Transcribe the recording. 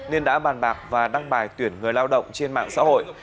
nên đã bàn bạc và đăng bài tuyển người lao động trên mạng xã hội